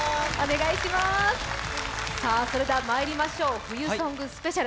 それではまいりましょう、冬ソングスペシャル。